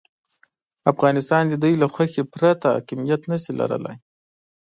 افغانستان د دوی له خوښې پرته حاکمیت نه شي لرلای.